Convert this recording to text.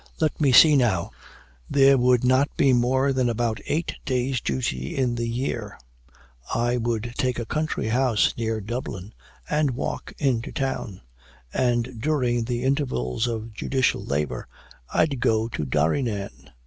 Let me see, now there would not be more than about eight days' duty in the year; I would take a country house near Dublin, and walk into town; and during the intervals of judicial labor, I'd go to Derrynane.